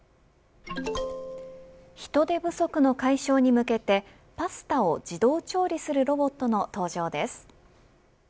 人手不足の解消に向けてパスタを自動調理するロボットの登場です。